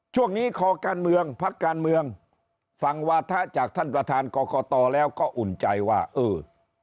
ช่วงนี้คอการเมืองพักการเมืองฟังวาถะจากท่านประธานกรกตแล้วก็อุ่นใจว่าเออ